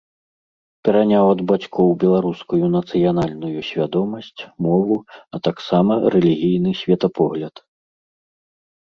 Пераняў ад бацькоў беларускую нацыянальную свядомасць, мову, а таксама рэлігійны светапогляд.